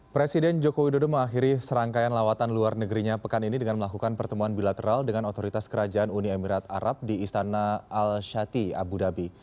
presiden joko widodo mengakhiri serangkaian lawatan luar negerinya pekan ini dengan melakukan pertemuan bilateral dengan otoritas kerajaan uni emirat arab di istana al shati abu dhabi